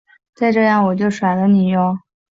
再这样我就甩了你唷！